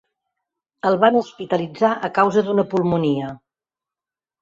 El van hospitalitzar a causa d'una pulmonia.